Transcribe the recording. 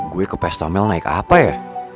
gue ke pesta mel naik apa ya